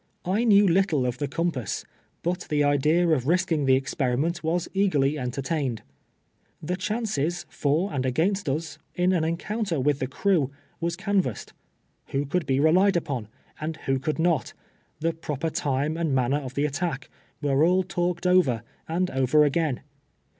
I knew little of the compass ; but the idea of risking the ex periment Avas eagerly entertained. Tlie chances, for and against us, in an encounter with the crew, was canvassed. Who could be relied upon, and who could not, the proper time and manner of the attack, were all talked over and over again.